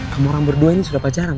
kamu orang berdua ini sudah pacaran